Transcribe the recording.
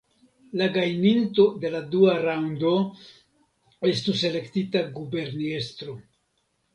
La gajninto de la dua raŭndo estus elektita guberniestro.